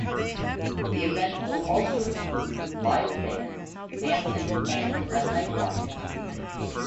The event will also include live bands, dancing, and a night market.